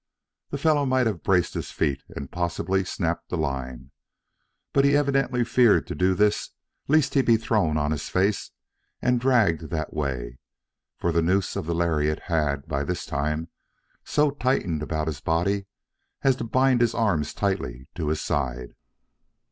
The fellow might have braced his feet and possibly snapped the line, but he evidently feared to do this lest he be thrown on his face and dragged that way, for the noose of the lariat had, by this time, so tightened about his body as to bind his arms tightly to his side.